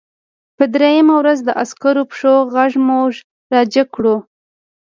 په درېیمه ورځ د عسکرو د پښو غږ موږ راجګ کړو